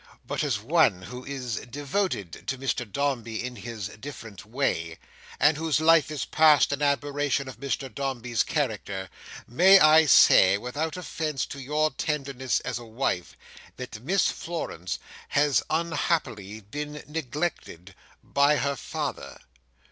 "But, as one who is devoted to Mr Dombey in his different way, and whose life is passed in admiration of Mr Dombey's character, may I say, without offence to your tenderness as a wife, that Miss Florence has unhappily been neglected—by her father.